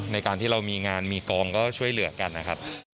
ในการที่เรามีงานมีกองก็ช่วยเหลือกันนะครับ